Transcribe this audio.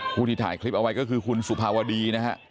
ที่ถ่ายคลิปเอาไว้ก็คือคุณสุภาวดีนะฮะ